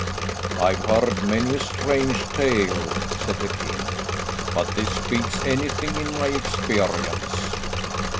"I've heard many a strange tale," said the king, "but this beats anything in my experience."